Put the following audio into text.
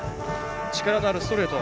力のあるストレート。